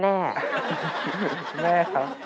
แม่ครับ